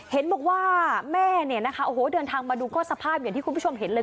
เห็นบอกว่าแม่เดินทางมาดูก็สภาพอย่างที่คุณผู้ชมเห็นเลย